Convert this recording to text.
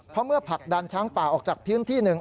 เพราะเมื่อผลักดันช้างป่าออกจากพื้นที่หนึ่ง